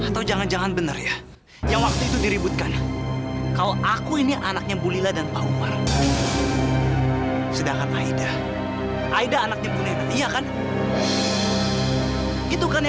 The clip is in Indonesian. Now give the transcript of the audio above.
sampai jumpa di video selanjutnya